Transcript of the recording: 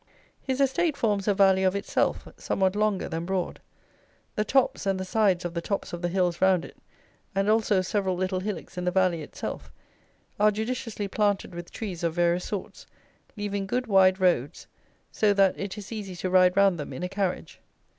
His estate forms a valley of itself, somewhat longer than broad. The tops, and the sides of the tops of the hills round it, and also several little hillocks in the valley itself, are judiciously planted with trees of various sorts, leaving good wide roads, so that it is easy to ride round them in a carriage.